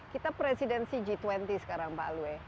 kita presidensi g dua puluh sekarang pak alwe